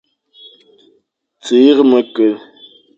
Tsir mekel.